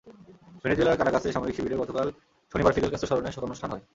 ভেনেজুয়েলার কারাকাসে সামরিক শিবিরে গতকাল শনিবার ফিদেল কাস্ত্রোর স্মরণে শোকানুষ্ঠান হয়।